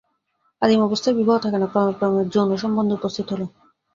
আদিম অবস্থায় বিবাহ থাকে না, ক্রমে ক্রমে যৌনসম্বন্ধ উপস্থিত হল।